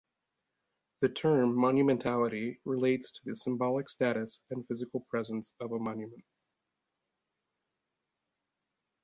The term "monumentality" relates to the symbolic status and physical presence of a monument.